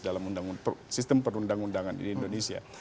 dalam sistem perundang undangan di indonesia